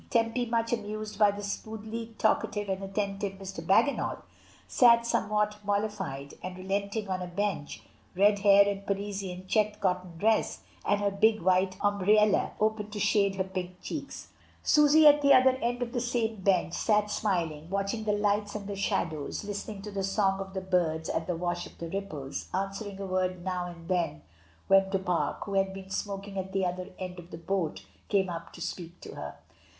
Tempy, much amused by the smoothly talkative and attentive Mr. Bagginal, sat somewhat mollified and relenting on a bench, red hair and Parisian checked cotton dress and her big white ombrelle open to shade her pink cheeks. ALMSGIVING. 89 Susy, at the other end of the same bench, sat smil ing, watching the lights and the shadows, listening to the song of the birds and the wash of the ripples, answering a word now and then when Du Pare, who had been smoking at the other end of the boat, came up to speak to her.